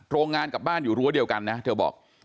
โรงงานกับบ้านอยู่รั้วเดียวกันนะเธอบอก